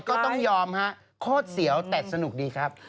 ก็ต้องยอมฮะโคตรเสียวแต่สนุกดีครับ